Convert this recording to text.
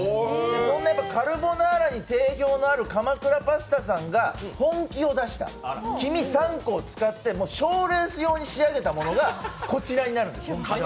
そんなカルボナーラに定評のある鎌倉パスタさんが本気を出した、黄身３個を使って賞レース用に作ったものがこれです。